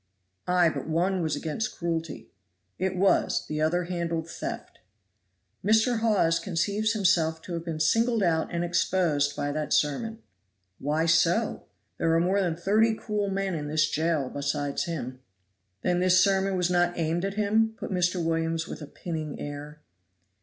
"Ay, but one was against cruelty." "It was; the other handled theft." "Mr. Hawes conceives himself to have been singled out and exposed by that sermon." "Why so? there are more than thirty cruel men in this jail besides him." "Then this sermon was not aimed at him?" put Mr. Williams with a pinning air.